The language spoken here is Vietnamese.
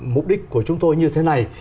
mục đích của chúng tôi như thế này